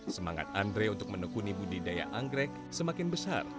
semangat andre untuk menekuni budidaya anggrek semakin besar